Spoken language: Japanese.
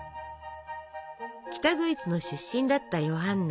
北ドイツの出身だったヨハンナ。